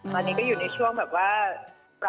ตอนนี้ก็อยู่ในช่วงแบบว่า